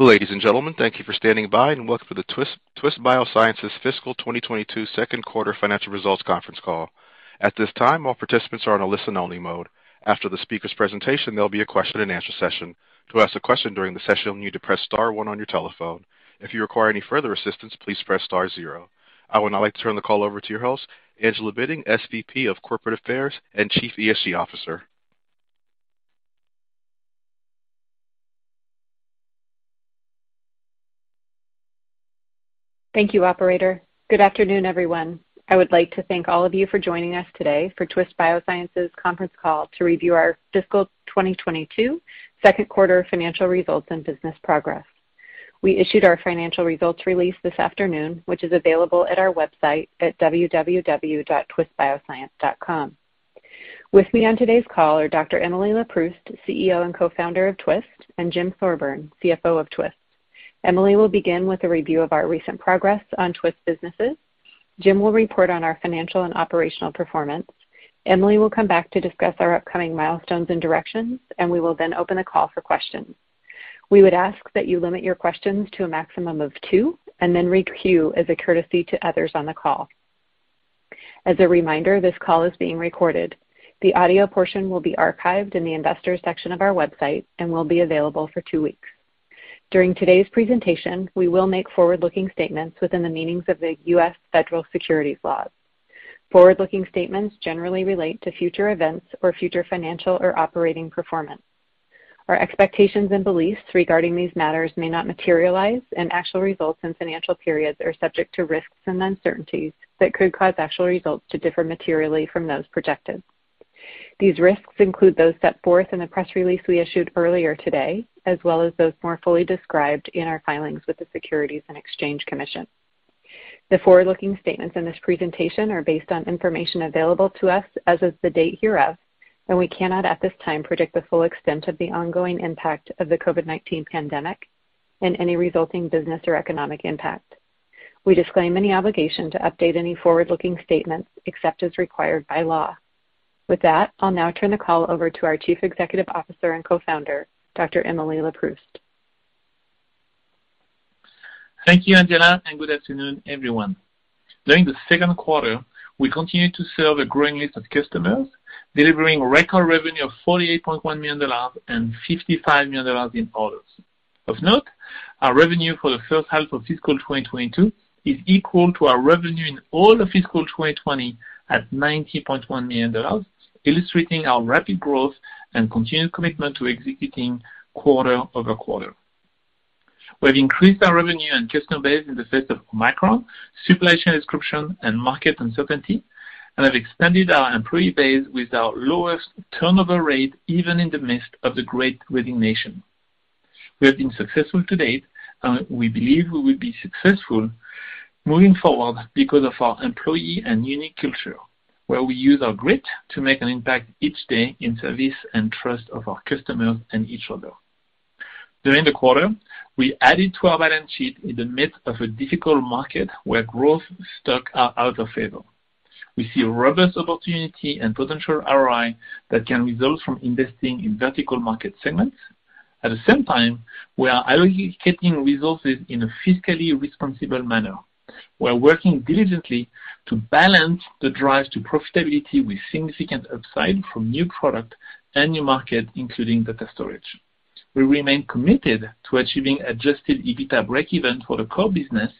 Ladies and gentlemen, thank you for standing by, and welcome to the Twist Bioscience Fiscal 2022 Q2 Financial Results Conference Call. At this time, all participants are in listen-only mode. After the speaker's presentation, there'll be a question-and-answer session. To ask a question during the session, you'll need to press star 1 on your telephone. If you require any further assistance, please press star zero. I would now like to turn the call over to your host, Angela Bitting, SVP, Corporate Affairs and Chief ESG Officer. Thank you, operator. Good afternoon, everyone. I would like to thank all of you for joining us today for Twist Bioscience's conference call to review our fiscal 2022 second quarter financial results and business progress. We issued our financial results release this afternoon, which is available at our website at www.twistbioscience.com. With me on today's call are Dr. Emily Leproust, CEO and Co-Founder of Twist, and Jim Thorburn, CFO of Twist. Emily will begin with a review of our recent progress on Twist businesses. Jim will report on our financial and operational performance. Emily will come back to discuss our upcoming milestones and directions, and we will then open the call for questions. We would ask that you limit your questions to a maximum of two and then requeue as a courtesy to others on the call. As a reminder, this call is being recorded. The audio portion will be archived in the investors section of our website and will be available for two weeks. During today's presentation, we will make forward-looking statements within the meanings of the U.S. federal securities laws. Forward-looking statements generally relate to future events or future financial or operating performance. Our expectations and beliefs regarding these matters may not materialize, and actual results and financial periods are subject to risks and uncertainties that could cause actual results to differ materially from those projected. These risks include those set forth in the press release we issued earlier today, as well as those more fully described in our filings with the Securities and Exchange Commission. The forward-looking statements in this presentation are based on information available to us as of the date hereof, and we cannot at this time predict the full extent of the ongoing impact of the COVID-19 pandemic and any resulting business or economic impact. We disclaim any obligation to update any forward-looking statements except as required by law. With that, I'll now turn the call over to our Chief Executive Officer and co-founder, Dr. Emily Leproust. Thank you, Angela, and good afternoon, everyone. During the Q2, we continued to serve a growing list of customers, delivering record revenue of $48.1 million and $55 million in orders. Of note, our revenue for the first half of fiscal 2022 is equal to our revenue in all of fiscal 2020 at $90.1 million, illustrating our rapid growth and continued commitment to executing quarter-over-quarter. We've increased our revenue and customer base in the face of Omicron, supply chain disruption, and market uncertainty, and have expanded our employee base with our lowest turnover rate, even in the midst of the great resignation. We have been successful to date, and we believe we will be successful moving forward because of our empowered and unique culture, where we use our grit to make an impact each day in service and trust of our customers and each other. During the quarter, we added to our balance sheet in the midst of a difficult market where growth stocks are out of favor. We see a robust opportunity and potential ROI that can result from investing in vertical market segments. At the same time, we are allocating resources in a fiscally responsible manner. We are working diligently to balance the drive to profitability with significant upside from new product and new market, including data storage. We remain committed to achieving adjusted EBITDA breakeven for the core business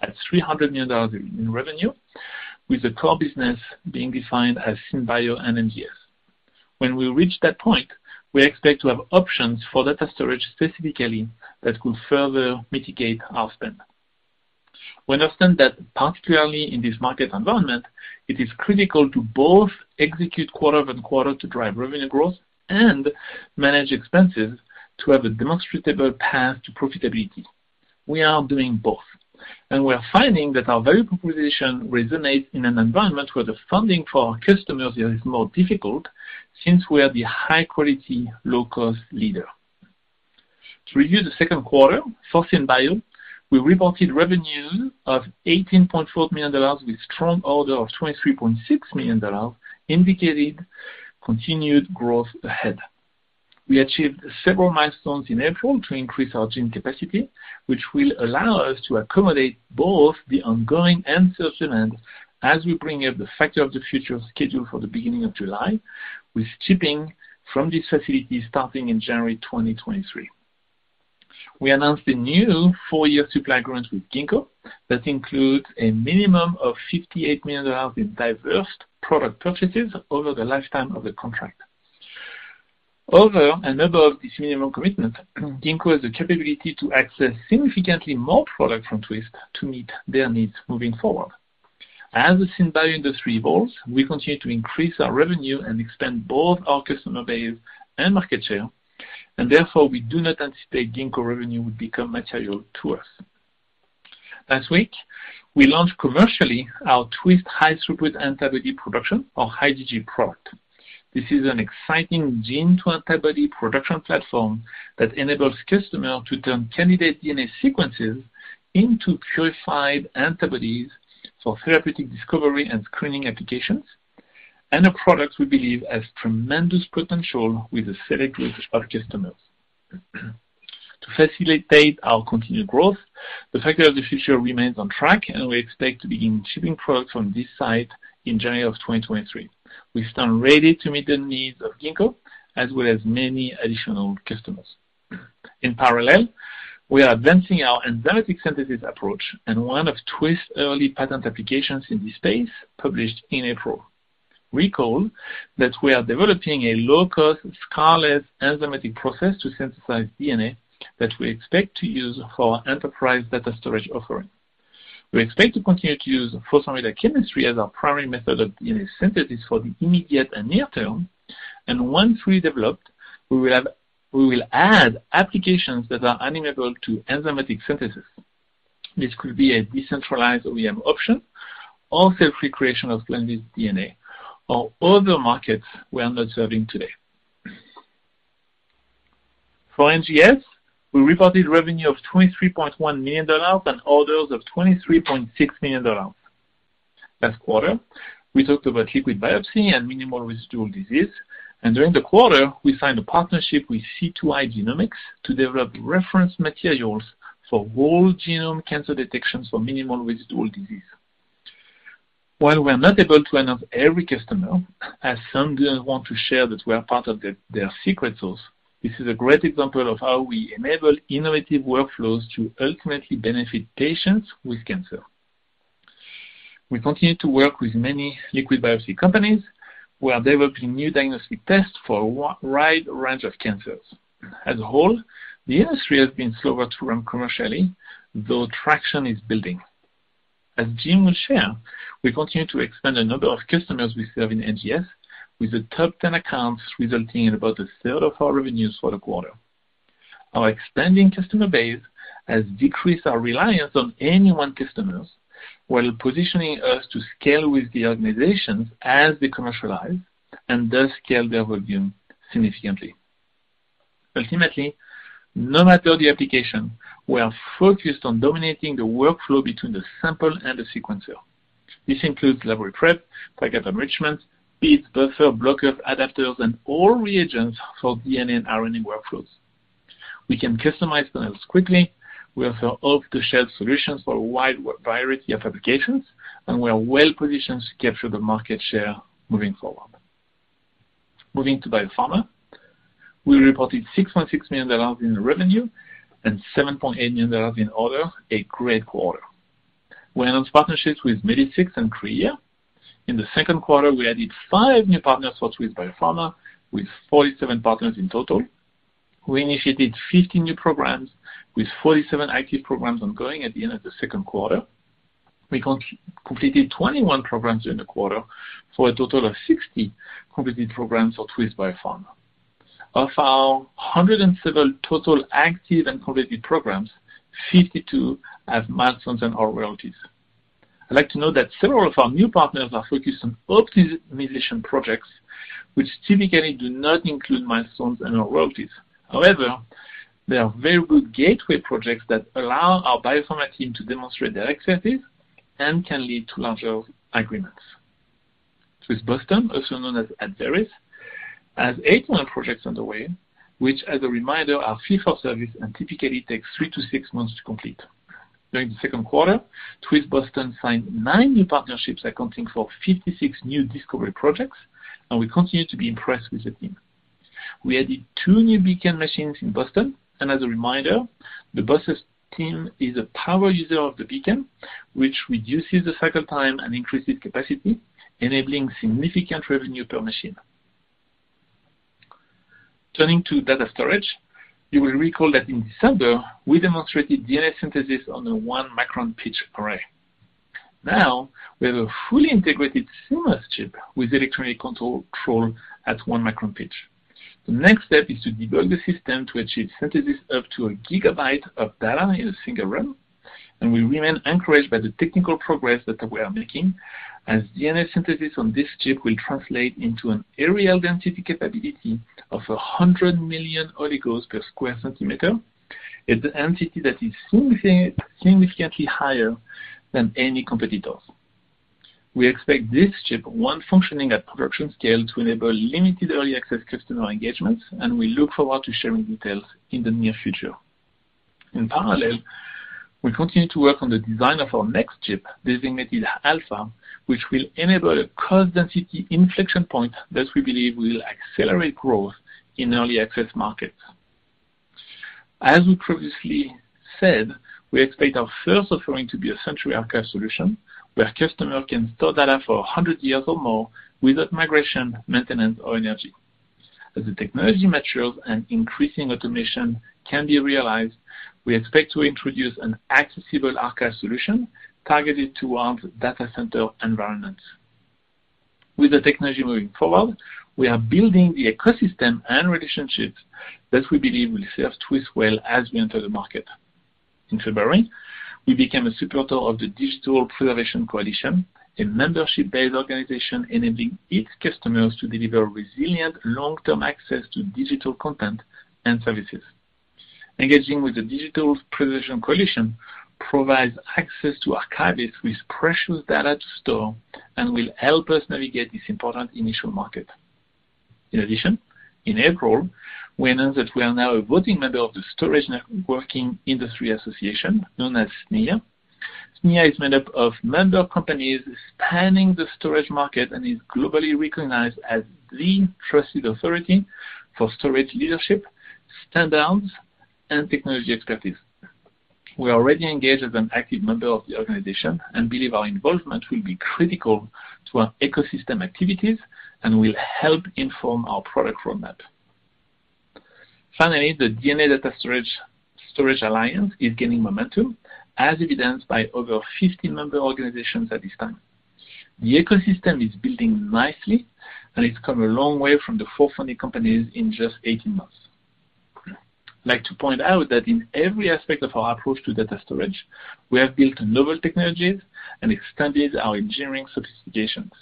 at $300 million in revenue, with the core business being defined as SynBio and NGS. When we reach that point, we expect to have options for data storage specifically that could further mitigate our spend. We understand that particularly in this market environment, it is critical to both execute quarter-over-quarter to drive revenue growth and manage expenses to have a demonstrable path to profitability. We are doing both, and we are finding that our value proposition resonates in an environment where the funding for our customers is more difficult since we are the high quality, low cost leader. To review the second quarter, for SynBio, we reported revenue of $18.4 million with strong order of $23.6 million, indicating continued growth ahead. We achieved several milestones in April to increase our gene capacity, which will allow us to accommodate both the ongoing and research demand as we bring up the Factory of the Future scheduled for the beginning of July, with shipping from this facility starting in January 2023. We announced a new four-year supply agreement with Ginkgo that includes a minimum of $58 million in diverse product purchases over the lifetime of the contract. Over and above this minimum commitment, Ginkgo has the capability to access significantly more product from Twist to meet their needs moving forward. As the SynBio industry evolves, we continue to increase our revenue and expand both our customer base and market share, and therefore we do not anticipate Ginkgo revenue would become material to us. Last week, we launched commercially our Twist High Throughput Antibody production or IgG product. This is an exciting gene to antibody production platform that enables customers to turn candidate DNA sequences into purified antibodies for therapeutic discovery and screening applications. A product we believe has tremendous potential with a select group of customers. To facilitate our continued growth, the Factory of the Future remains on track, and we expect to begin shipping products from this site in January 2023. We stand ready to meet the needs of Ginkgo as well as many additional customers. In parallel, we are advancing our enzymatic synthesis approach and one of Twist's early patent applications in this space, published in April. Recall that we are developing a low-cost, scarless enzymatic process to synthesize DNA that we expect to use for our enterprise data storage offering. We expect to continue to use phosphonamidite chemistry as our primary method of DNA synthesis for the immediate and near term, and once redeveloped, we will add applications that are amenable to enzymatic synthesis. This could be a decentralized OEM option or cell-free creation of plasmid DNA or other markets we are not serving today. For NGS, we reported revenue of $23.1 million and orders of $23.6 million. Last quarter, we talked about liquid biopsy and minimal residual disease, and during the quarter, we signed a partnership with C2i Genomics to develop reference materials for whole-genome cancer detection for minimal residual disease. While we are not able to announce every customer, as some don't want to share that we are part of their secret sauce, this is a great example of how we enable innovative workflows to ultimately benefit patients with cancer. We continue to work with many liquid biopsy companies who are developing new diagnostic tests for a wide range of cancers. As a whole, the industry has been slower to run commercially, though traction is building. As Jim will share, we continue to expand the number of customers we serve in NGS, with the top 10 accounts resulting in about a third of our revenues for the quarter. Our expanding customer base has decreased our reliance on any one customers while positioning us to scale with the organizations as they commercialize and thus scale their volume significantly. Ultimately, no matter the application, we are focused on dominating the workflow between the sample and the sequencer. This includes library prep, target enrichment, beads, buffer, blockers, adapters, and all reagents for DNA and RNA workflows. We can customize panels quickly. We offer off-the-shelf solutions for a wide variety of applications, and we are well-positioned to capture the market share moving forward. Moving to biopharma, we reported $6.6 million in revenue and $7.8 million in orders, a great quarter. We announced partnerships with MediSix and Kriya. In the Q2, we added 5 new partners for Twist Biopharma, with 47 partners in total. We initiated 50 new programs, with 47 active programs ongoing at the end of the Q2. We completed 21 programs during the quarter for a total of 60 completed programs for Twist Biopharma. Of our 107 total active and completed programs, 52 have milestones and/or royalties. I'd like to note that several of our new partners are focused on optimization projects, which typically do not include milestones and/or royalties. However, they are very good gateway projects that allow our biopharma team to demonstrate their expertise and can lead to larger agreements. Twist Boston, also known as Abveris, has 81 projects underway, which, as a reminder, are fee-for-service and typically takes 3 to 6 months to complete. During the second quarter, Twist Boston signed nine new partnerships accounting for 56 new discovery projects, and we continue to be impressed with the team. We added two new Beacon machines in Boston. As a reminder, the Boston team is a power user of the Beacon, which reduces the cycle time and increases capacity, enabling significant revenue per machine. Turning to data storage, you will recall that in December, we demonstrated DNA synthesis on a 1-micron pitch array. Now we have a fully integrated seamless chip with electronic control at 1-micron pitch. The next step is to debug the system to achieve synthesis up to 1 GB of data in a single run, and we remain encouraged by the technical progress that we are making, as DNA synthesis on this chip will translate into an area density capability of 100 million oligos per sq cm. It's a density that is significantly higher than any competitors. We expect this chip, once functioning at production scale, to enable limited early access customer engagements, and we look forward to sharing details in the near future. In parallel, we continue to work on the design of our next chip, designated Alpha, which will enable a cost density inflection point that we believe will accelerate growth in early access markets. As we previously said, we expect our first offering to be a century archive solution, where customers can store data for 100 years or more without migration, maintenance, or energy. As the technology matures and increasing automation can be realized, we expect to introduce an accessible archive solution targeted towards data center environments. With the technology moving forward, we are building the ecosystem and relationships that we believe will serve Twist well as we enter the market. In February, we became a supporter of the Digital Preservation Coalition, a membership-based organization enabling its customers to deliver resilient long-term access to digital content and services. Engaging with the Digital Preservation Coalition provides access to archivists with precious data to store and will help us navigate this important initial market. In addition, in April, we announced that we are now a voting member of the Storage Networking Industry Association, known as SNIA. SNIA is made up of member companies spanning the storage market and is globally recognized as the trusted authority for storage leadership, standards, and technology expertise. We are already engaged as an active member of the organization and believe our involvement will be critical to our ecosystem activities and will help inform our product roadmap. Finally, the DNA Data Storage Alliance is gaining momentum, as evidenced by over 50 member organizations at this time. The ecosystem is building nicely, and it's come a long way from the 4 founding companies in just 18 months. I'd like to point out that in every aspect of our approach to data storage, we have built novel technologies and expanded our engineering sophistications.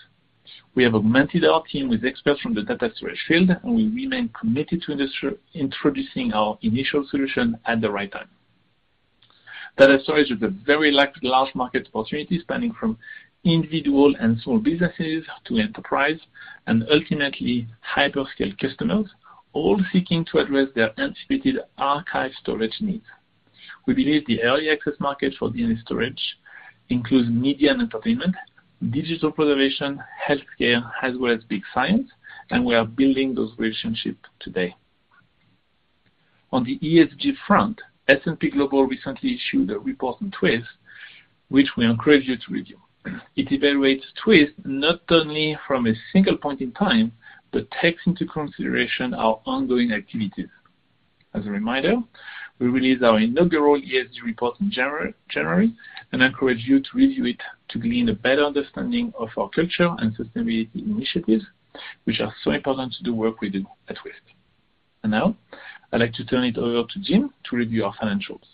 We have augmented our team with experts from the data storage field, and we remain committed to introducing our initial solution at the right time. Data storage is a very large market opportunity spanning from individual and small businesses to enterprise and ultimately hyperscale customers, all seeking to address their anticipated archive storage needs. We believe the early access market for DNA storage includes media and entertainment, digital preservation, healthcare, as well as big science, and we are building those relationships today. On the ESG front, S&P Global recently issued a report on Twist, which we encourage you to review. It evaluates Twist not only from a single point in time, but takes into consideration our ongoing activities. As a reminder, we released our inaugural ESG report in January and encourage you to review it to glean a better understanding of our culture and sustainability initiatives, which are so important to the work we do at Twist. Now I'd like to turn it over to Jim to review our financials.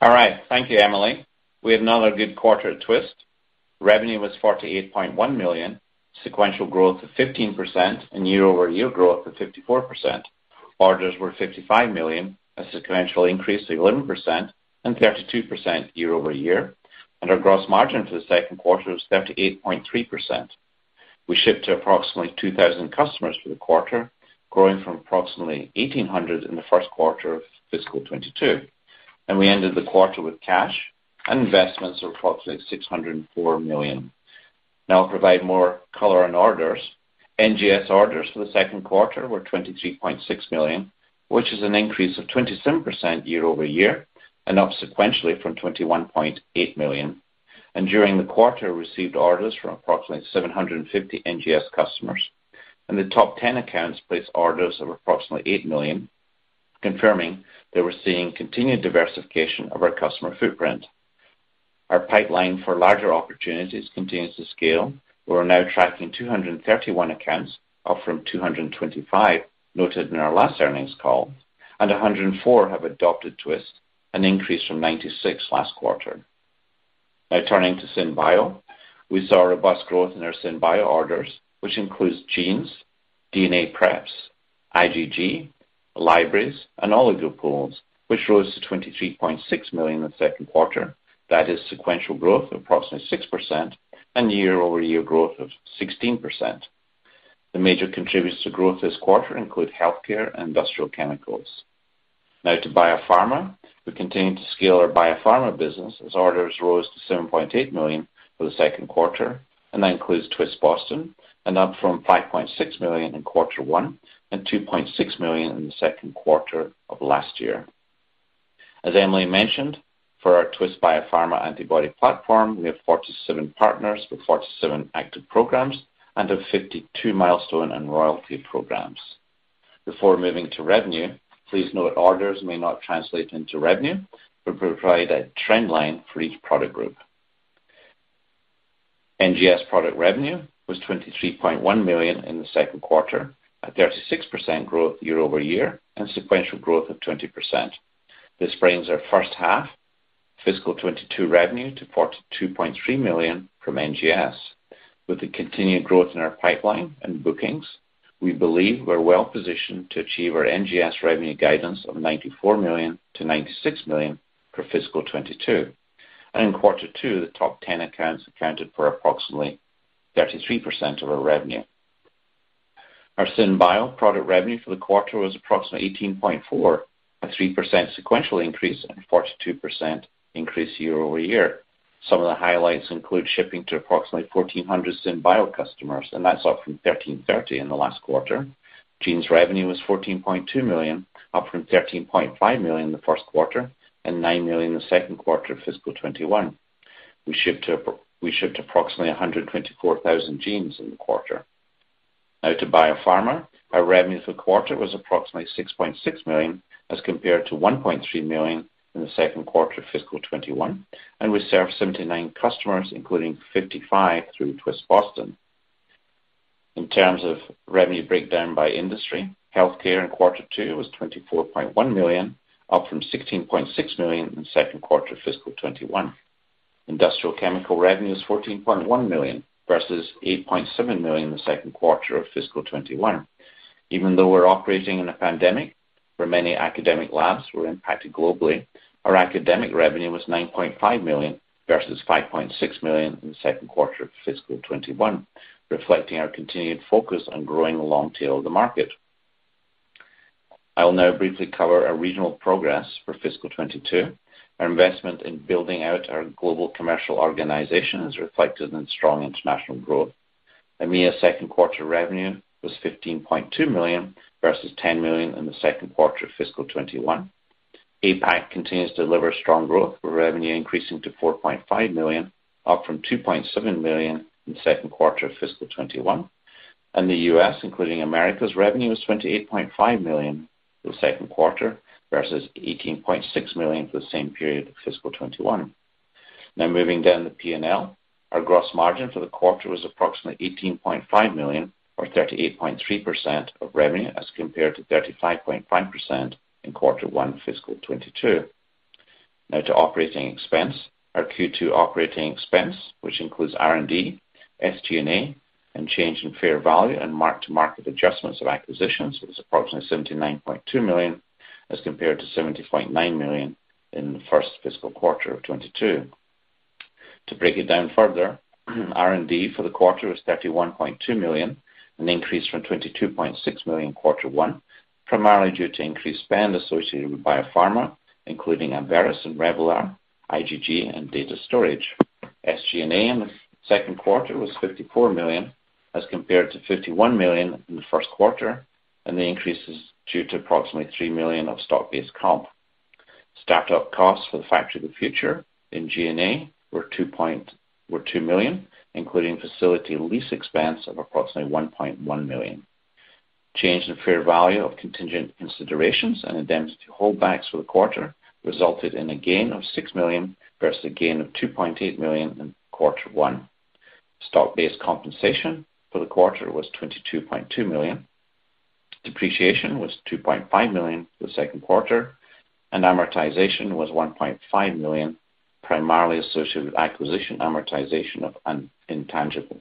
All right. Thank you, Emilie. We had another good quarter at Twist. Revenue was $48.1 million, sequential growth of 15% and year-over-year growth of 54%. Orders were $55 million, a sequential increase of 11% and 32% year over year. Our gross margin for the Q2 was 38.3%. We shipped to approximately 2,000 customers for the quarter, growing from approximately 1,800 in the Q1 of fiscal 2022. We ended the quarter with cash and investments of approximately $604 million. Now I'll provide more color on orders. NGS orders for the Q2 were $23.6 million, which is an increase of 27% year over year and up sequentially from $21.8 million. During the quarter, received orders from approximately 750 NGS customers. The top ten accounts placed orders of approximately $8 million, confirming that we're seeing continued diversification of our customer footprint. Our pipeline for larger opportunities continues to scale. We are now tracking 231 accounts, up from 225 noted in our last earnings call, and 104 have adopted Twist, an increase from 96 last quarter. Now turning to SynBio, we saw robust growth in our SynBio orders, which includes genes, DNA preps, IgG, libraries, and oligo pools, which rose to $23.6 million in the second quarter. That is sequential growth of approximately 6% and year-over-year growth of 16%. The major contributors to growth this quarter include healthcare and industrial chemicals. Now to Biopharma. We continue to scale our biopharma business as orders rose to $7.8 million for the second quarter, and that includes Twist Boston, up from $5.6 million in quarter 1 and $2.6 million in the Q2 of last year. As Emilie mentioned, for our Twist Biopharma antibody platform, we have 47 partners with 47 active programs and have 52 milestone and royalty programs. Before moving to revenue, please note orders may not translate into revenue but provide a trend line for each product group. NGS product revenue was $23.1 million in the Q2 at 36% growth year-over-year and sequential growth of 20%. This brings our first half fiscal 2022 revenue to $42.3 million from NGS. With the continued growth in our pipeline and bookings, we believe we're well positioned to achieve our NGS revenue guidance of $94 million-$96 million for fiscal 2022. In Q2, the top 10 accounts accounted for approximately 33% of our revenue. Our SynBio product revenue for the quarter was approximately $18.4 million, a 3% sequential increase and 42% increase year-over-year. Some of the highlights include shipping to approximately 1,400 SynBio customers, and that's up from 1,330 in the last quarter. Genes revenue was $14.2 million, up from $13.5 million in the first quarter and $9 million in the Q2 of fiscal 2021. We shipped approximately 124,000 genes in the quarter. Now to biopharma. Our revenue for the quarter was approximately $6.6 million, as compared to $1.3 million in the Q2 of fiscal 2021, and we served 79 customers, including 55 through Twist Boston. In terms of revenue breakdown by industry, healthcare in Q2 was $24.1 million, up from $16.6 million in the Q2 of fiscal 2021. Industrial chemical revenue is $14.1 million versus $8.7 million in the Q2 of fiscal 2021. Even though we're operating in a pandemic, where many academic labs were impacted globally, our academic revenue was $9.5 million versus $5.6 million in the Q2 of fiscal 2021, reflecting our continued focus on growing the long tail of the market. I will now briefly cover our regional progress for fiscal 2022. Our investment in building out our global commercial organization is reflected in strong international growth. EMEA Q2 revenue was $15.2 million versus $10 million in the Q2 of fiscal 2021. APAC continues to deliver strong growth, with revenue increasing to $4.5 million, up from $2.7 million in the Q2 of fiscal 2021. In the US, including Americas revenue was $28.5 million for the Q2 versus $18.6 million for the same period of fiscal 2021. Now moving down the P&L. Our gross margin for the quarter was approximately $18.5 million or 38.3% of revenue as compared to 35.5% in quarter one fiscal 2022. Now to operating expense. Our Q2 operating expense, which includes R&D, SG&A, and change in fair value and mark-to-market adjustments of acquisitions, was approximately $79.2 million as compared to $79 million in the 1st fiscal quarter of 2022. To break it down further, R&D for the quarter was $31.2 million, an increase from $22.6 million in quarter one, primarily due to increased spend associated with biopharma, including Abveris and Revelar, IgG, and data storage. SG&A in the Q2 was $54 million as compared to $51 million in the 1st quarter, and the increase is due to approximately $3 million of stock-based comp. Stepped-up costs for the Factory of the Future in G&A were $2 million, including facility lease expense of approximately $1.1 million. Change in fair value of contingent considerations and indemnity holdbacks for the quarter resulted in a gain of $6 million versus a gain of $2.8 million in Q1. Stock-based compensation for the quarter was $22.2 million. Depreciation was $2.5 million for the second quarter, and amortization was $1.5 million, primarily associated with acquisition amortization of intangibles.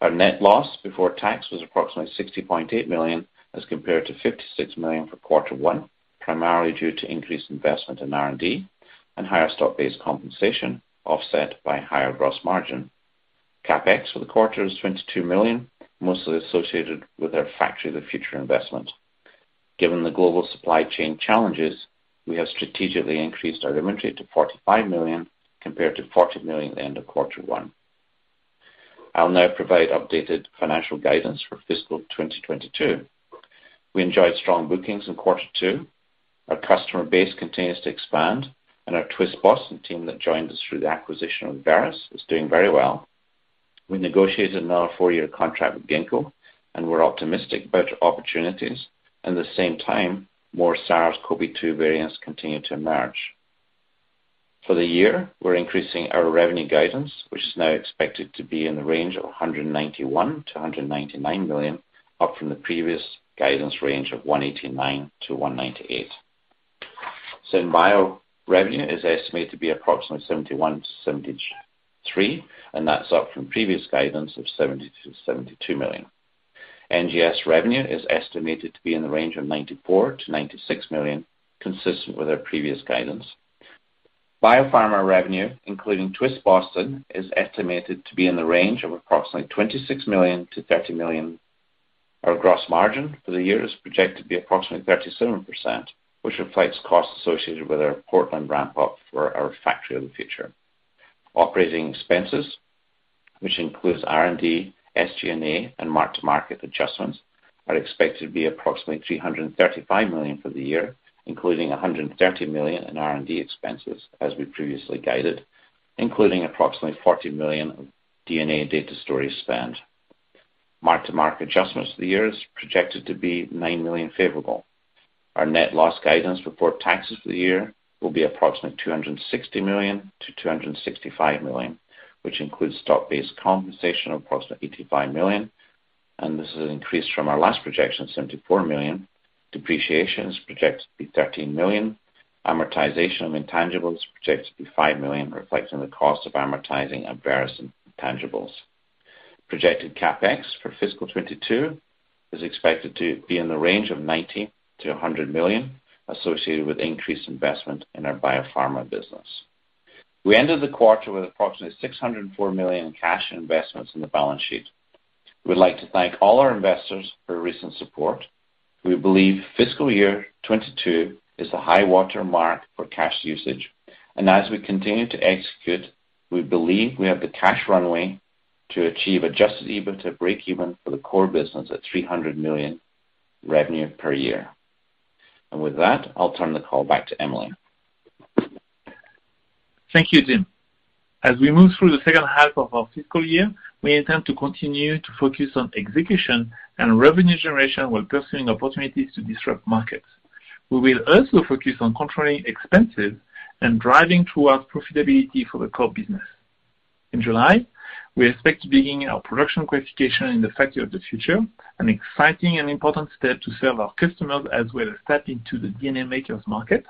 Our net loss before tax was approximately $68 million as compared to $56 million for quarter one, primarily due to increased investment in R&D and higher stock-based compensation, offset by higher gross margin. CapEx for the quarter is $22 million, mostly associated with our Factory of the Future investment. Given the global supply chain challenges, we have strategically increased our inventory to $45 million compared to $40 million at the end of Q1. I'll now provide updated financial guidance for fiscal 2022. We enjoyed strong bookings in Q2. Our customer base continues to expand and our Twist Boston team that joined us through the acquisition of Abveris is doing very well. We negotiated another four-year contract with Ginkgo, and we're optimistic about opportunities, and at the same time, more SARS-CoV-2 variants continue to emerge. For the year, we're increasing our revenue guidance, which is now expected to be in the range of $191 million-$199 million, up from the previous guidance range of $189 million-$198 million. SynBio revenue is estimated to be approximately $71 million-$73 million, and that's up from previous guidance of $70 million-$72 million. NGS revenue is estimated to be in the range of $94 million-$96 million, consistent with our previous guidance. Biopharma revenue, including Twist Boston, is estimated to be in the range of approximately $26 million to $30 million. Our gross margin for the year is projected to be approximately 37%, which reflects costs associated with our Portland ramp-up for our Factory of the Future. Operating expenses, which includes R&D, SG&A, and mark-to-market adjustments, are expected to be approximately $335 million for the year, including $130 million in R&D expenses, as we previously guided, including approximately $40 million of DNA data storage spend. Mark-to-market adjustments for the year is projected to be $9 million favorable. Our net loss guidance before taxes for the year will be approximately $260 million-$265 million, which includes stock-based compensation of approximately $85 million, and this is an increase from our last projection of $74 million. Depreciation is projected to be $13 million. Amortization of intangibles is projected to be $5 million, reflecting the cost of amortizing Abveris intangibles. Projected CapEx for fiscal 2022 is expected to be in the range of $90 million-$100 million, associated with increased investment in our biopharma business. We ended the quarter with approximately $604 million in cash and investments on the balance sheet. We'd like to thank all our investors for their recent support. We believe fiscal year 2022 is the high-water mark for cash usage. As we continue to execute, we believe we have the cash runway to achieve adjusted EBITDA breakeven for the core business at $300 million revenue per year. With that, I'll turn the call back to Emily. Thank you, Jim. As we move through the H2 of our fiscal year, we intend to continue to focus on execution and revenue generation while pursuing opportunities to disrupt markets. We will also focus on controlling expenses and driving towards profitability for the core business. In July, we expect beginning our production qualification in the Factory of the Future, an exciting and important step to serve our customers as we step into the DNA makers market.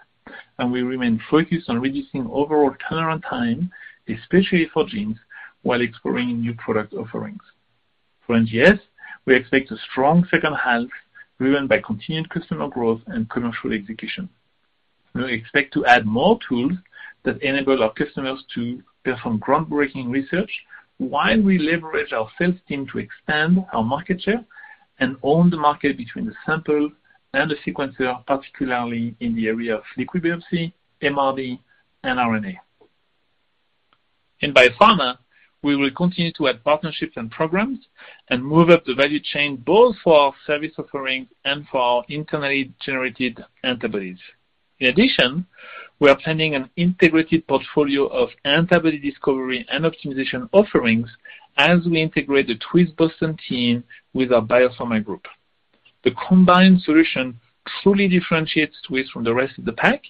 We remain focused on reducing overall turnaround time, especially for genes, while exploring new product offerings. For NGS, we expect a strong H2 driven by continued customer growth and commercial execution. We expect to add more tools that enable our customers to perform groundbreaking research while we leverage our sales team to expand our market share and own the market between the sample and the sequencer, particularly in the area of liquid biopsy, MRD, and RNA. In Biopharma, we will continue to add partnerships and programs and move up the value chain, both for our service offerings and for our internally generated antibodies. In addition, we are planning an integrated portfolio of antibody discovery and optimization offerings as we integrate the Twist Boston team with our biopharma group. The combined solution truly differentiates Twist from the rest of the pack,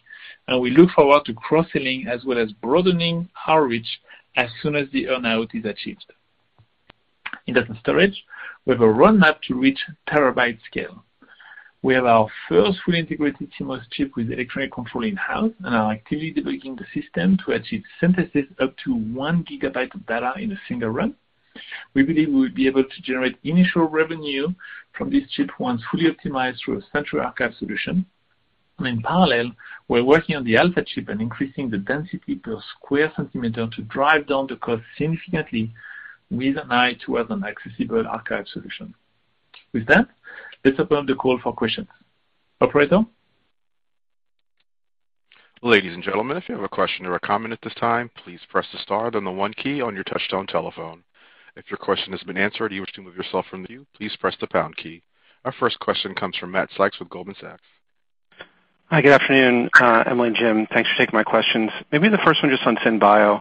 and we look forward to cross-selling as well as broadening our reach as soon as the earn-out is achieved. In data storage, we have a roadmap to reach terabyte scale. We have our first fully integrated CMOS chip with electronic control in-house and are actively debugging the system to achieve synthesis up to 1 GB of data in a single run. We believe we will be able to generate initial revenue from this chip once fully optimized through a central archive solution. In parallel, we're working on the alpha chip and increasing the density per square centimeter to drive down the cost significantly with an eye towards an accessible archive solution. With that, let's open the call for questions. Operator. Ladies and gentlemen, if you have a question or a comment at this time, please press the star then the one key on your touchtone telephone. If your question has been answered or you wish to remove yourself from the queue, please press the pound key. Our first question comes from Matt Sykes with Goldman Sachs. Hi. Good afternoon, Emily and Jim. Thanks for taking my questions. Maybe the first one just on SynBio.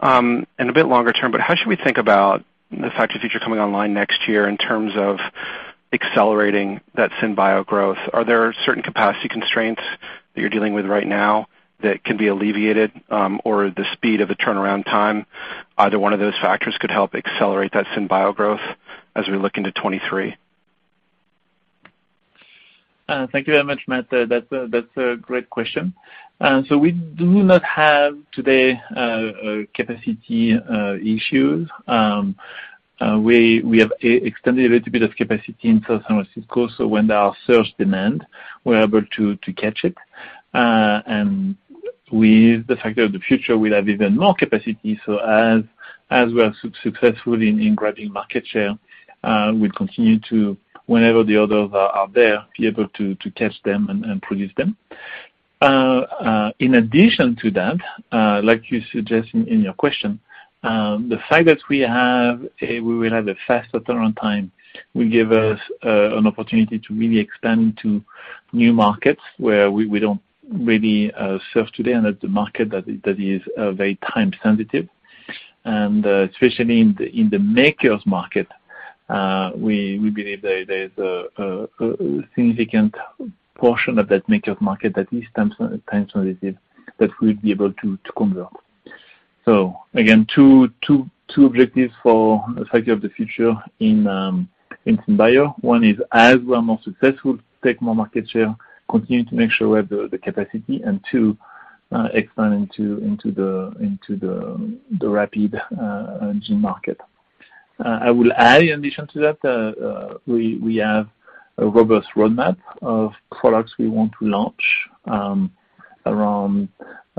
A bit longer term, but how should we think about the Factory of the Future coming online next year in terms of accelerating that SynBio growth? Are there certain capacity constraints that you're dealing with right now that can be alleviated, or the speed of the turnaround time, either one of those factors could help accelerate that SynBio growth as we look into 2023? Thank you very much, Matt. That's a great question. We do not have capacity issues today. We have extended a little bit of capacity in South San Francisco, so when there is surge demand, we're able to catch it. With the Factory of the Future, we'll have even more capacity. As we are successful in grabbing market share, we continue to, whenever the orders are there, be able to catch them and produce them. In addition to that, like you suggest in your question, the fact that we will have a faster turnaround time will give us an opportunity to really expand into new markets where we don't really serve today. That's a market that is very time-sensitive. Especially in the makers market, we believe there's a significant portion of that makers market that is time-sensitive that we'll be able to convert. Again, 2, objectives for the Factory of the Future in SynBio. One is, as we are more successful, take more market share, continue to make sure we have the capacity. 2, expand into the rapid gene market. I will add, in addition to that, we have a robust roadmap of products we want to launch around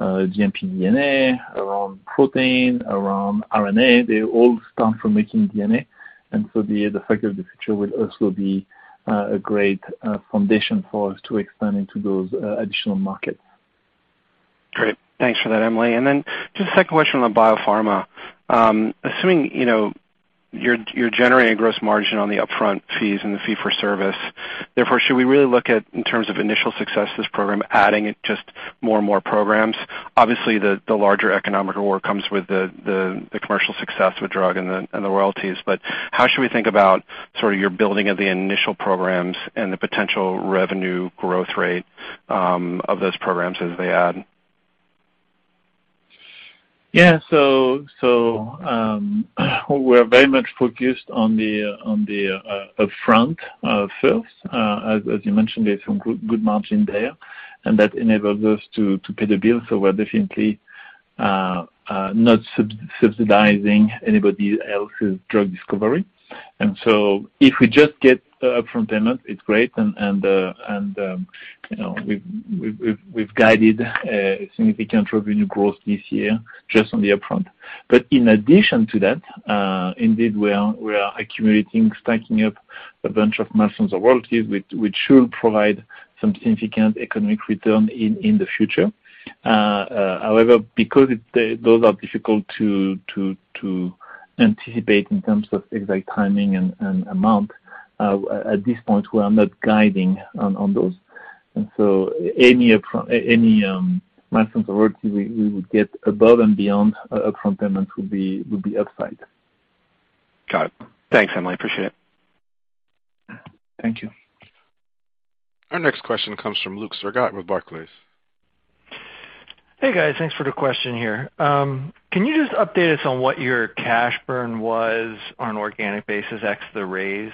GMP DNA, around protein, around RNA. They all start from making DNA, and so the Factory of the Future will also be a great foundation for us to expand into those additional markets. Great. Thanks for that, Emilie. Just a second question on the Biopharma. Assuming, you know, you're generating gross margin on the upfront fees and the fee for service, therefore, should we really look at, in terms of initial success of this program, adding just more and more programs? Obviously, the larger economic reward comes with the commercial success of a drug and the royalties. But how should we think about sort of your building of the initial programs and the potential revenue growth rate, of those programs as they add? Yeah, we're very much focused on the upfront first. As you mentioned, there's some good margin there, and that enables us to pay the bills. We're definitely not subsidizing anybody else's drug discovery. If we just get upfront payments, it's great, and you know, we've guided a significant revenue growth this year just on the upfront. In addition to that, indeed we are accumulating, stacking up a bunch of milestones or royalties which should provide some significant economic return in the future. However, because those are difficult to anticipate in terms of exact timing and amount, at this point, we are not guiding on those. Any upfront milestones or royalties we would get above and beyond upfront payments would be upside. Got it. Thanks, Emilie. I appreciate it. Thank you. Our next question comes from Luke Sergott with Barclays. Hey guys, thanks for the question here. Can you just update us on what your cash burn was on an organic basis ex the raise?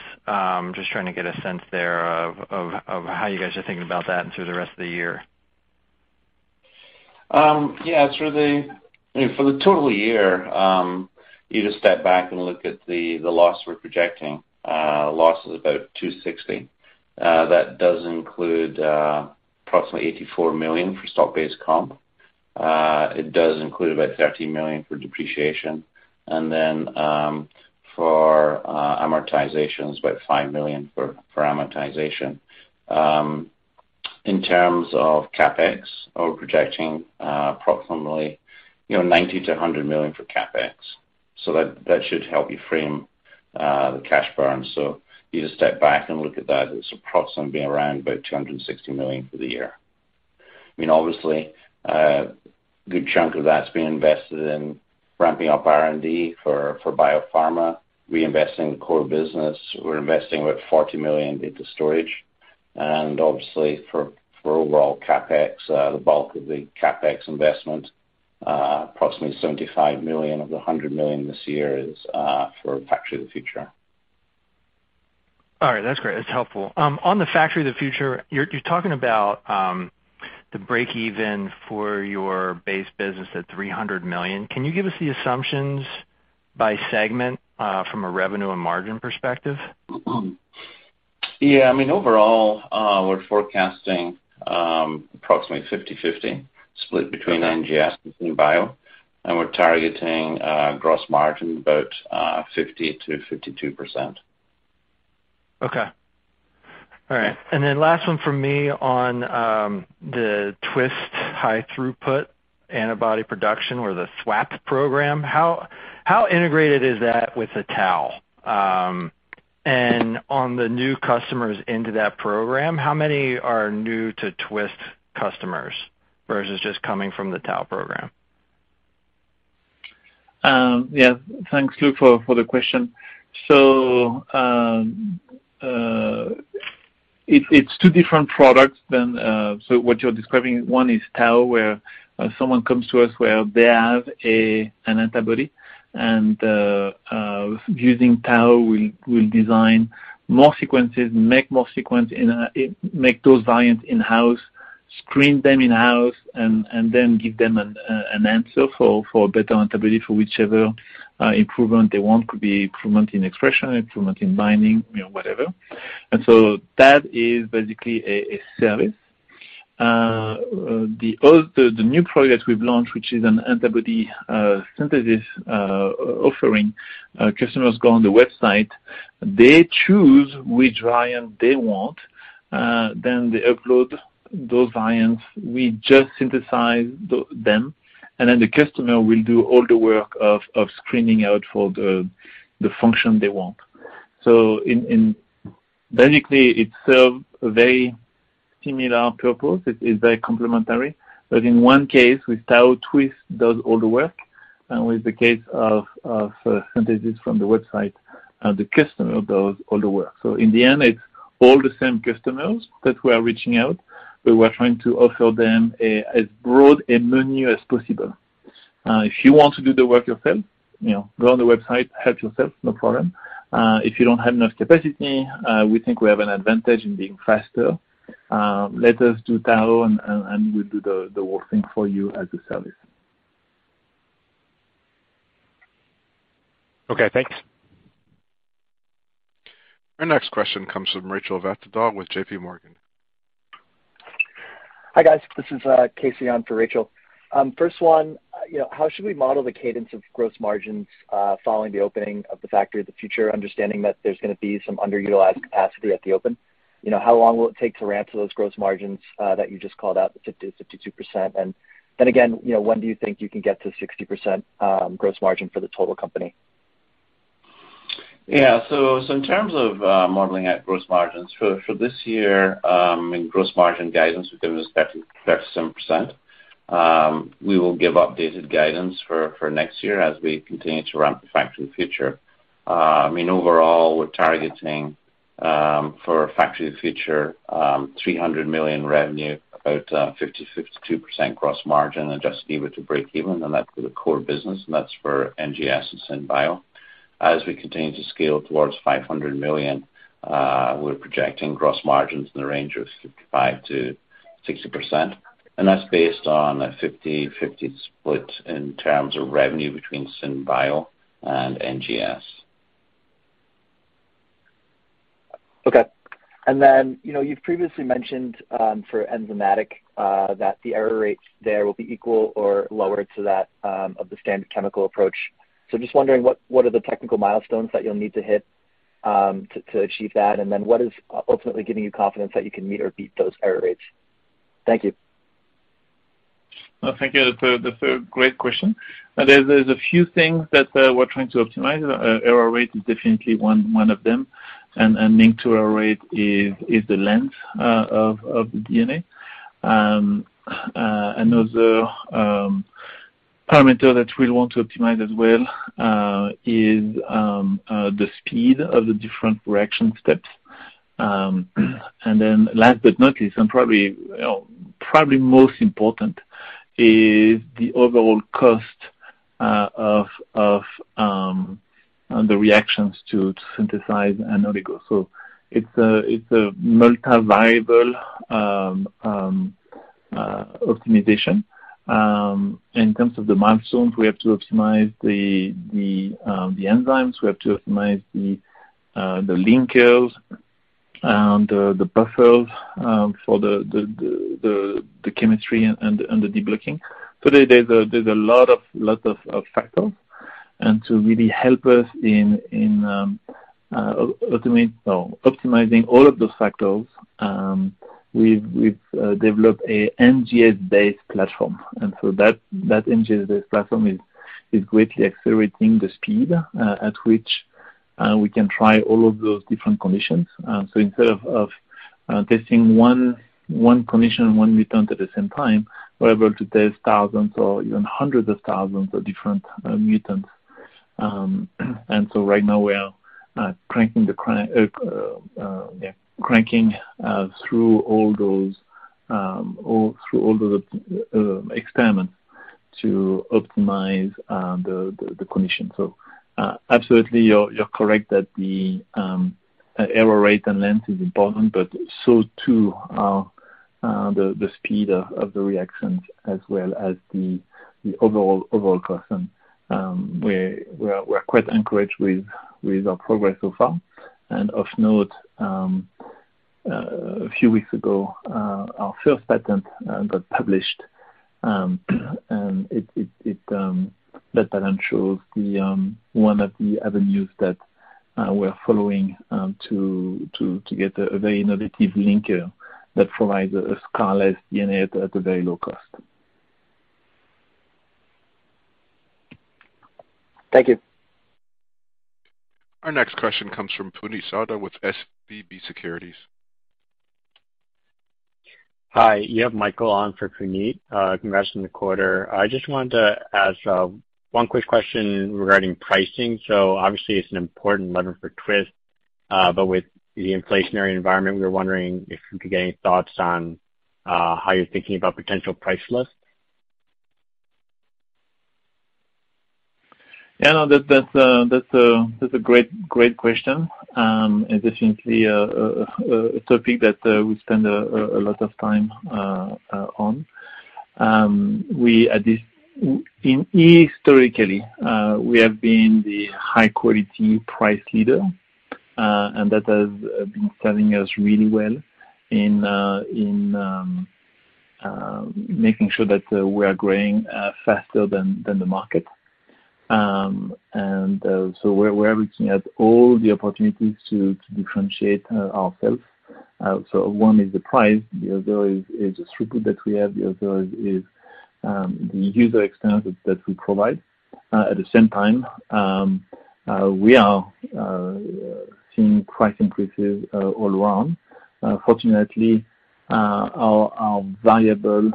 Just trying to get a sense there of how you guys are thinking about that and through the rest of the year. I mean, for the total year, you just step back and look at the loss we're projecting. Loss is about $260 million. That does include approximately $84 million for stock-based comp. It does include about $13 million for depreciation. For amortizations, about $5 million for amortization. In terms of CapEx, we're projecting approximately, you know, $90-$100 million for CapEx. That should help you frame the cash burn. You just step back and look at that. It's approximately around about $260 million for the year. I mean, obviously, good chunk of that's being invested in ramping up R&D for biopharma, reinvesting the core business. We're investing about $40 million into storage. Obviously, for overall CapEx, the bulk of the CapEx investment, approximately $75 million of the $100 million this year, is for Factory of the Future. All right. That's great. That's helpful. On the Factory of the Future, you're talking about the breakeven for your base business at $300 million. Can you give us the assumptions by segment from a revenue and margin perspective? Yeah. I mean, overall, we're forecasting approximately 50 to 50 split between NGS and bio. We're targeting gross margin about 50% to 52%. Okay. All right. Last one from me on the Twist high throughput antibody production or the SWAP program. How integrated is that with the TAO? And on the new customers into that program, how many are new to Twist customers versus just coming from the TAO program? Yeah. Thanks, Luke, for the question. It's 2 different products than what you're describing. One is TAO, where someone comes to us where they have an antibody. Using TAO, we'll design more sequences, make those variants in-house, screen them in-house, and then give them an answer for a better antibody for whichever improvement they want. Could be improvement in expression, improvement in binding, you know, whatever. That is basically a service. The new product we've launched, which is an antibody synthesis offering. Customers go on the website. They choose which variant they want, then they upload those variants. We just synthesize them, and then the customer will do all the work of screening out for the function they want. Basically, it serves a very similar purpose. It is very complementary. In one case, with TAO, Twist does all the work. With the case of synthesis from the website, the customer does all the work. In the end, it's all the same customers that we are reaching out. We are trying to offer them as broad a menu as possible. If you want to do the work yourself, you know, go on the website, help yourself, no problem. If you don't have enough capacity, we think we have an advantage in being faster. Let us do TAO, and we'll do the whole thing for you as a service. Okay, thanks. Our next question comes from Rachel Vatnsdal with JPMorgan. Hi, guys. This is Casey on for Rachel. First one, you know, how should we model the cadence of gross margins following the opening of the Factory of the Future, understanding that there's going to be some underutilized capacity at the open? You know, how long will it take to ramp those gross margins that you just called out, the 50% to 52%? Then again, you know, when do you think you can get to 60% gross margin for the total company? In terms of modeling out gross margins for this year and gross margin guidance, we gave was 30% to 37%. We will give updated guidance for next year as we continue to ramp the Factory of the Future. I mean, overall, we're targeting for Factory of the Future $300 million revenue, about 52% gross margin and just be able to break even. That's for the core business, and that's for NGS and Synbio. As we continue to scale towards $500 million, we're projecting gross margins in the range of 55%-60%. That's based on a 50-50 split in terms of revenue between Synbio and NGS. Okay. You know, you've previously mentioned, for enzymatic, that the error rates there will be equal or lower to that, of the standard chemical approach. I'm just wondering what are the technical milestones that you'll need to hit, to achieve that? What is ultimately giving you confidence that you can meet or beat those error rates? Thank you. Well, thank you. That's a great question. There are a few things that we're trying to optimize. Error rate is definitely one of them. Linked to error rate is the length of the DNA. Another parameter that we want to optimize as well is the speed of the different reaction steps. Last but not least, probably most important is the overall cost of the reactions to synthesize an oligo. It's a multi-variable optimization. In terms of the milestones, we have to optimize the enzymes. We have to optimize the linkers and the buffers for the chemistry and the deblocking. There's a lot of factors. To really help us in optimizing all of those factors, we've developed a NGS-based platform. That NGS-based platform is greatly accelerating the speed at which we can try all of those different conditions. Instead of testing one condition, 1 mutant at the same time, we're able to test thousands or even hundreds of thousands of different mutants. Right now we are cranking through all of those experiments to optimize the condition. Absolutely, you're correct that the error rate and length is important, but so too are the speed of the reactions as well as the overall cost. We're quite encouraged with our progress so far. Of note, a few weeks ago, our first patent got published. It that patent shows the one of the avenues that we're following to get a very innovative linker that provides a scarless DNA at a very low cost. Thank you. Our next question comes from Puneet Souda with SVB Securities. Hi, you have Michael on for Puneet, congrats on the quarter. I just wanted to ask, one quick question regarding pricing. Obviously it's an important lever for Twist. With the inflationary environment, we were wondering if you could give any thoughts on, how you're thinking about potential price list? Yeah, no. That's a great question. Definitely a topic that we spend a lot of time on. Historically, we have been the high-quality price leader, and that has been serving us really well in making sure that we are growing faster than the market. We're looking at all the opportunities to differentiate ourselves. 1, is the price, the other is the throughput that we have. The other is the user experience that we provide. At the same time, we are seeing price increases all around. Fortunately, our variable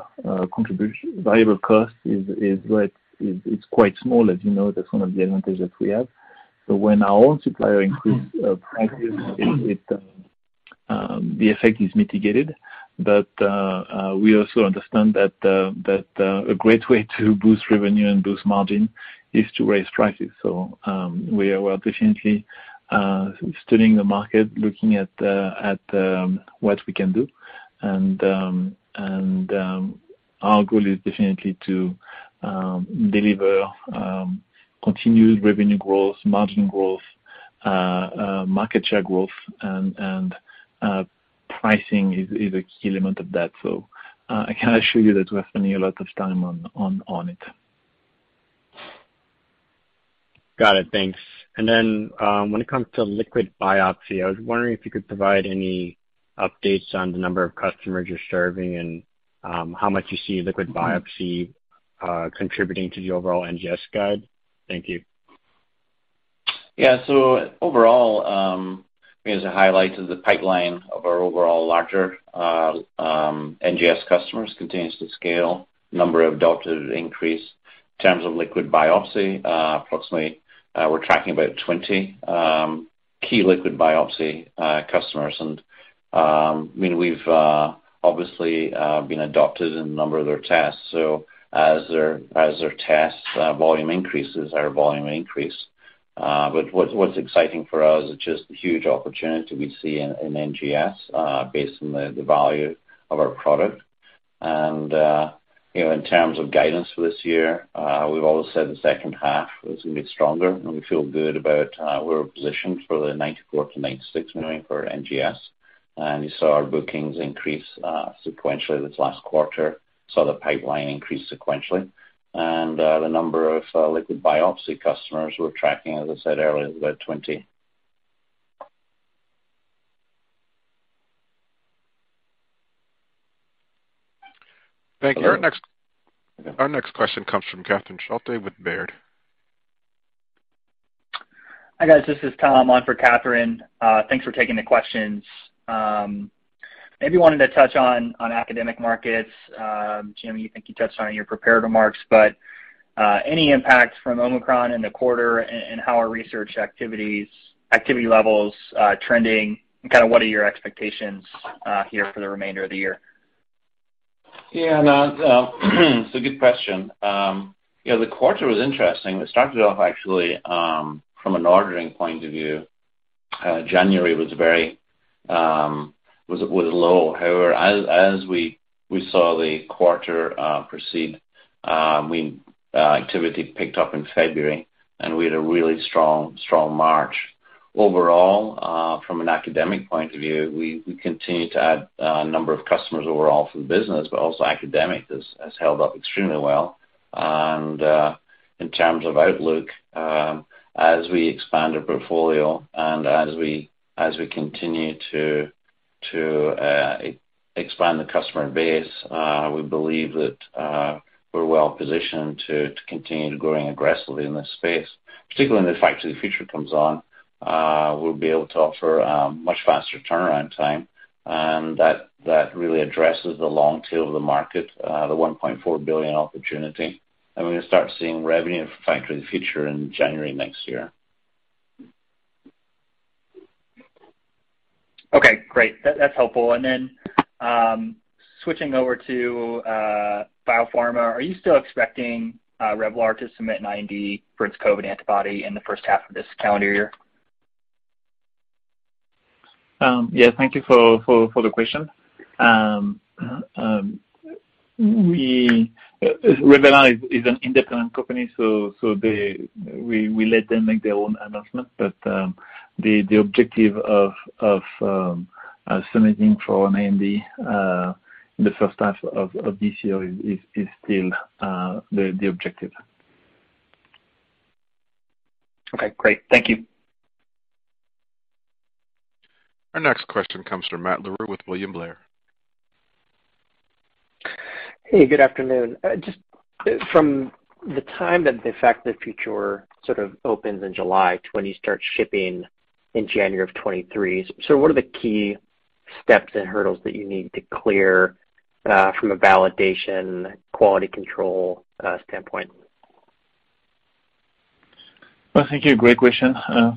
contribution variable cost is quite small. As you know, that's one of the advantages that we have. When our own suppliers increase prices, the effect is mitigated. We also understand that a great way to boost revenue and boost margin is to raise prices. We are definitely studying the market, looking at what we can do. Our goal is definitely to deliver continued revenue growth, margin growth, market share growth and pricing is a key element of that. I can assure you that we're spending a lot of time on it. Got it. Thanks. When it comes to liquid biopsy, I was wondering if you could provide any updates on the number of customers you're serving and how much you see liquid biopsy contributing to the overall NGS guide. Thank you. Yeah. Overall, I mean, as I highlighted the pipeline of our overall larger NGS customers continues to scale. Number of adopters increase. In terms of liquid biopsy, approximately, we're tracking about 20 key liquid biopsy customers. I mean, we've obviously been adopted in a number of their tests. As their tests volume increases, our volume increase. What's exciting for us is just the huge opportunity we see in NGS based on the value of our product. You know, in terms of guidance for this year, we've always said the H2 was gonna get stronger, and we feel good about we're positioned for the $94-$96 million for NGS. You saw our bookings increase sequentially this last quarter. Saw the pipeline increase sequentially. The number of liquid biopsy customers we're tracking, as I said earlier, is about 20. Thank you. Our next question comes from Catherine Schulte with Baird. Hi, guys. This is Tom. I'm on for Catherine. Thanks for taking the questions. Maybe wanted to touch on academic markets. Jim, you think you touched on your prepared remarks, but any impact from Omicron in the quarter and how are research activity levels trending, and kind of what are your expectations here for the remainder of the year? Yeah, no, it's a good question. You know, the quarter was interesting. It started off actually from an ordering point of view. January was very low. However, as we saw the quarter proceed, activity picked up in February, and we had a really strong March. Overall, from an academic point of view, we continue to add a number of customers overall for the business, but also academic has held up extremely well. In terms of outlook, as we expand our portfolio and as we continue to expand the customer base, we believe that we're well positioned to continue to grow aggressively in this space. Particularly when the Factory of the Future comes on, we'll be able to offer much faster turnaround time, and that really addresses the long tail of the market, the $1.4 billion opportunity. We're gonna start seeing revenue from Factory of the Future in January next year. Okay, great. That's helpful. Switching over to biopharma, are you still expecting Revular to submit an IND for its COVID antibody in the first half of this calendar year? Yeah. Thank you for the question. Revular is an independent company, so we let them make their own announcement. The objective of submitting for an IND in the first half of this year is still the objective. Okay, great. Thank you. Our next question comes from Matt Larew with William Blair. Hey, good afternoon. Just from the time that the Factory of the Future sort of opens in July to when you start shipping in January of 2023, what are the key steps and hurdles that you need to clear from a validation quality control standpoint? Well, thank you. Great question.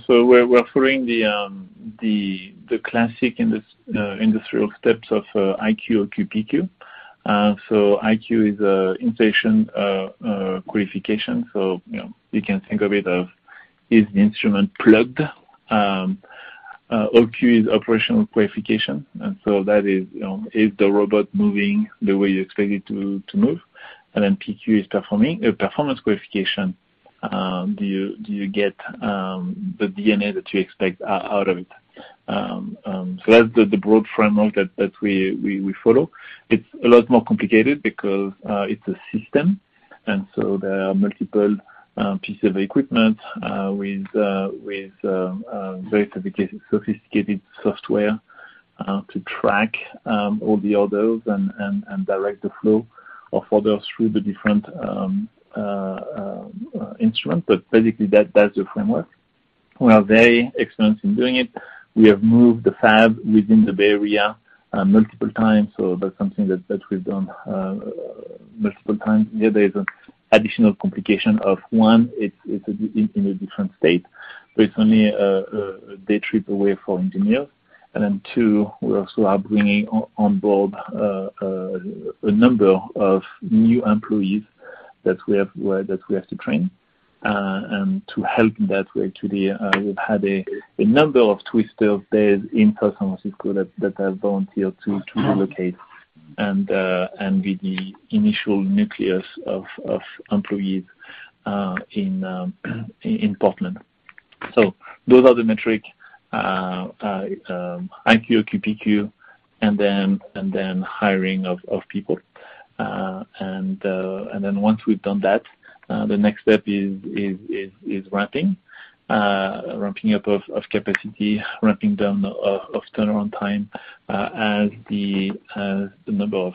We're following the classic industrial steps of IQ, OQ, PQ. IQ is installation qualification. You know, you can think of it as is the instrument plugged? OQ is operational qualification, and that is, you know, is the robot moving the way you expect it to move? Then PQ is performance qualification. Do you get the DNA that you expect out of it? That's the broad framework that we follow. It's a lot more complicated because it's a system. There are multiple pieces of equipment with very sophisticated software to track all the orders and direct the flow of orders through the different instruments. Basically that's the framework. We are very experienced in doing it. We have moved the fab within the Bay Area multiple times. That's something that we've done multiple times. Yeah, there is an additional complication. 1, it's in a different state. It's only a day trip away for engineers. 2, we also are bringing onboard a number of new employees that we have to train. To help in that way, today, we've had a number of Twisters there in San Francisco that have volunteered to relocate and be the initial nucleus of employees in Portland. Those are the metrics, IQ, OQ, PQ, and then hiring of people. Once we've done that, the next step is ramping up of capacity, ramping down of turnaround time, as the number of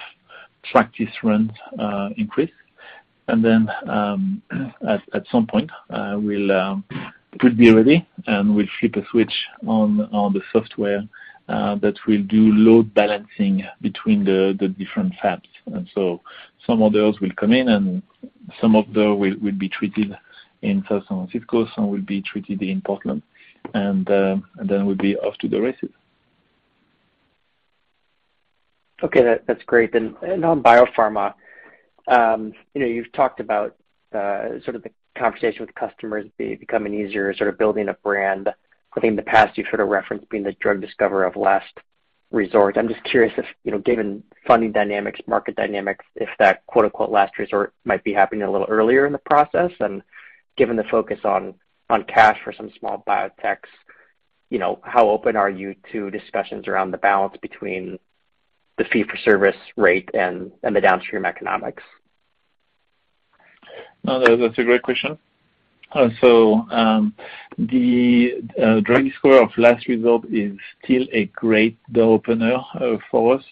practice runs increase. At some point, we'll be ready, and we'll flip a switch on the software that will do load balancing between the different fabs. Some orders will come in, and some of them will be treated in San Francisco, some will be treated in Portland. Then we'll be off to the races. Okay. That's great. On biopharma, you know, you've talked about sort of the conversation with customers becoming easier, sort of building a brand. I think in the past you've sort of referenced being the drug discoverer of last resort. I'm just curious if, you know, given funding dynamics, market dynamics, if that quote, unquote "last resort" might be happening a little earlier in the process. Given the focus on cash for some small biotechs, you know, how open are you to discussions around the balance between the fee for service rate and the downstream economics? No, that's a great question. So, the drug discoverer of last resort is still a great door opener for us.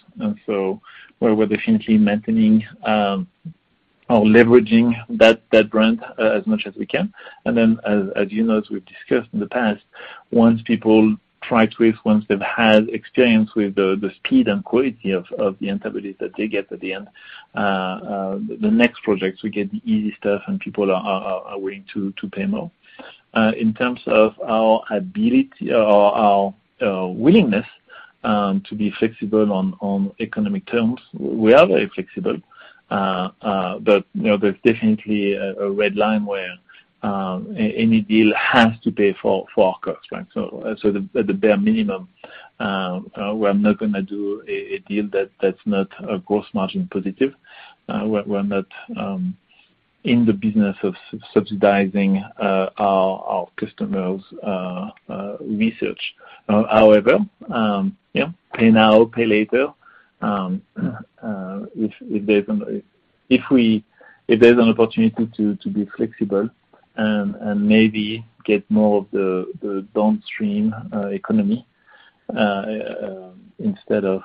We're definitely leveraging that brand as much as we can. As you know, as we've discussed in the past, once people try Twist, once they've had experience with the speed and quality of the antibodies that they get at the end, the next projects, we get the easy stuff, and people are willing to pay more. In terms of our ability or our willingness to be flexible on economic terms, we are very flexible. You know, there's definitely a red line where any deal has to pay for our costs, right? At the bare minimum, we're not gonna do a deal that's not a gross margin positive. We're not in the business of subsidizing our customers' research. However, yeah, pay now, pay later. If there's an opportunity to be flexible and maybe get more of the downstream economy instead of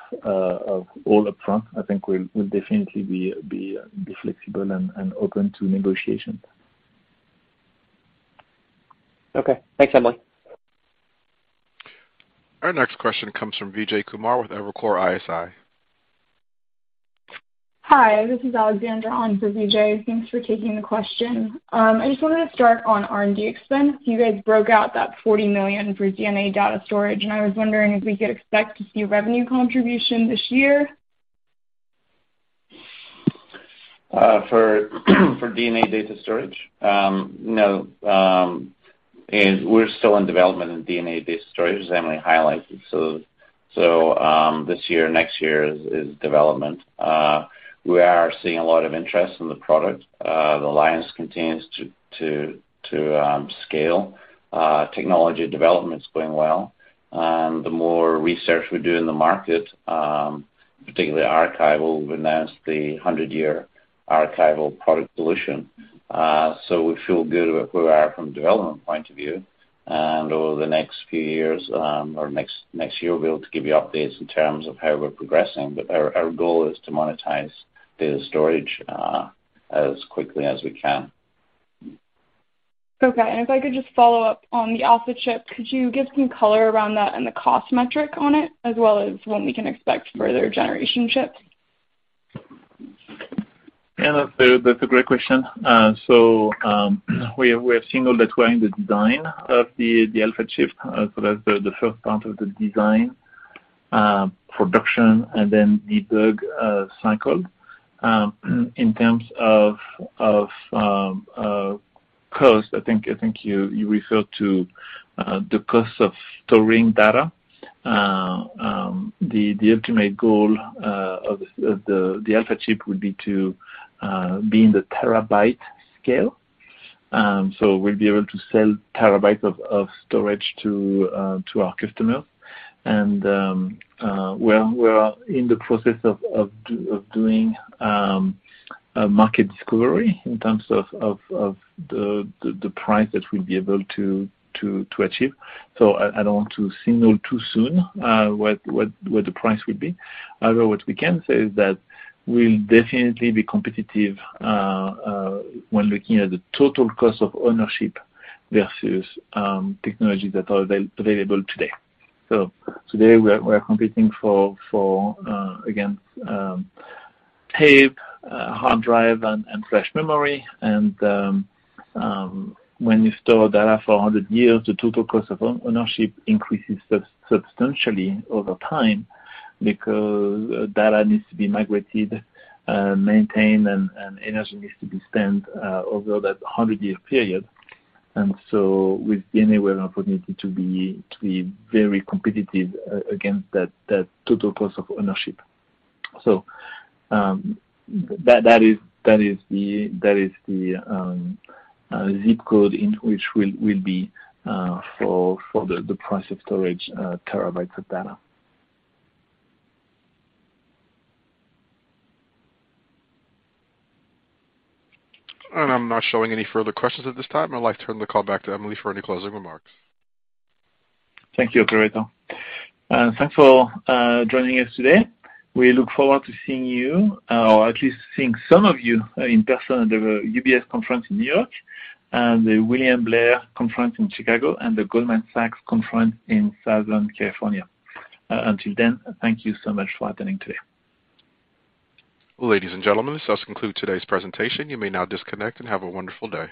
all upfront, I think we'll definitely be flexible and open to negotiation. Okay. Thanks, Emily. Our next question comes from Vijay Kumar with Evercore ISI. Hi, this is Alexandra on for Vijay. Thanks for taking the question. I just wanted to start on R&D expense. You guys broke out that $40 million for DNA data storage, and I was wondering if we could expect to see revenue contribution this year. For DNA data storage? No. We're still in development in DNA data storage as Emily highlighted. This year, next year is development. We are seeing a lot of interest in the product. The alliance continues to scale. Technology development's going well. The more research we do in the market, particularly archival. We've announced the 100-year archival product solution. We feel good where we are from a development point of view. Over the next few years, or next year, we'll be able to give you updates in terms of how we're progressing. Our goal is to monetize data storage as quickly as we can. Okay. If I could just follow up on the Alpha Chip, could you give some color around that and the cost metric on it, as well as when we can expect further generation chips? Yeah, that's a great question. We have signaled that we're in the design of the Alpha Chip, so that's the first part of the design, production, and then debug cycle. In terms of cost, I think you referred to the cost of storing data. The ultimate goal of the Alpha Chip would be to be in the terabyte scale. We'll be able to sell terabytes of storage to our customers. We're in the process of doing a market discovery in terms of the price that we'll be able to achieve. I don't want to signal too soon what the price would be. However, what we can say is that we'll definitely be competitive when looking at the total cost of ownership versus technologies that are available today. Today, we are competing against tape, hard drive, and flash memory. When you store data for 100 years, the total cost of ownership increases substantially over time because data needs to be migrated, maintained, and energy needs to be spent over that 100-year period. With DNA, we have an opportunity to be very competitive against that total cost of ownership. That is the zip code in which we'll be for the price of storage terabytes of data. I'm not showing any further questions at this time. I'd like to turn the call back to Emily for any closing remarks. Thank you, operator. Thanks for joining us today. We look forward to seeing you, or at least seeing some of you, in person at the UBS conference in New York, and the William Blair conference in Chicago, and the Goldman Sachs conference in Southern California. Until then, thank you so much for attending today. Ladies and gentlemen, this does conclude today's presentation. You may now disconnect and have a wonderful day.